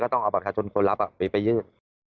ต้องเอาบัตรประชาชนคนรับไปยื่น